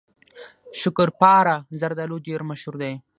شکرپاره زردالو ډیر مشهور دي.